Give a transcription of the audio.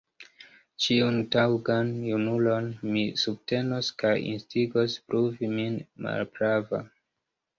Ĉiun taŭgan junulon mi subtenos kaj instigos pruvi min malprava.